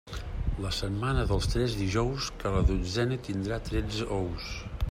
La setmana dels tres dijous, que la dotzena tindrà tretze ous.